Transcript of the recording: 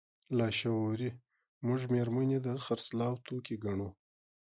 لاشعوري موږ مېرمنې د خرڅلاو توکي ګڼو.